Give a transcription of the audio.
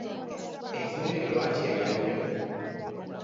Ensolo eyo lwaki erya nnyo?